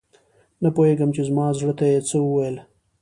نه پوهیږم چې زما زړه ته یې څه وویل؟